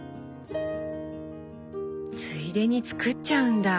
ついでに作っちゃうんだ！